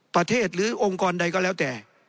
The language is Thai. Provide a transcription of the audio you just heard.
ประเทศหรือองค์กรใดก็แล้วแต่